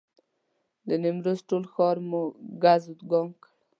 د نیمروز ټول ښار مو ګز وګام کړ.